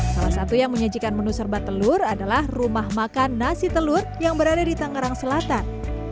salah satu yang menyajikan menu serba telur adalah rumah makan nasi telur yang berada di tangerang selatan